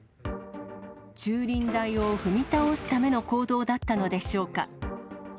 駐輪代を踏み倒すための行動だったのでしょうか。